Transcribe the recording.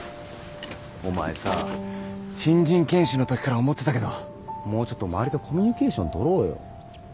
お前さ新人研修のときから思ってたけどもうちょっと周りとコミュニケーションとろうよ。